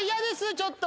ちょっと。